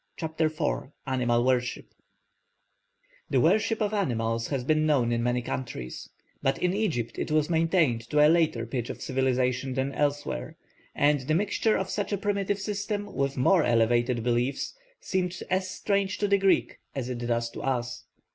CHAPTER IV ANIMAL WORSHIP The worship of animals has been known in many countries; but in Egypt it was maintained to a later pitch of civilisation than elsewhere, and the mixture of such a primitive system with more elevated beliefs seemed as strange to the Greek as it does to us.